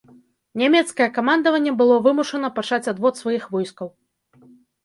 Нямецкае камандаванне было вымушана пачаць адвод сваіх войскаў.